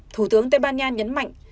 thủ tướng tây ban nha nhấn mạnh